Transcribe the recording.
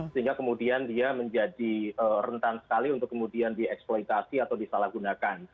sehingga kemudian dia menjadi rentan sekali untuk kemudian dieksploitasi atau disalahgunakan